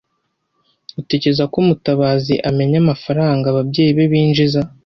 Utekereza ko Mutabazi amenya amafaranga ababyeyi be binjiza?